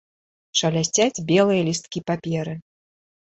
Шалясцяць белыя лісткі паперы.